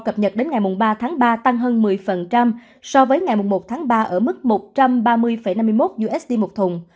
cập nhật đến ngày ba tháng ba tăng hơn một mươi so với ngày một tháng ba ở mức một trăm ba mươi năm mươi một usd một thùng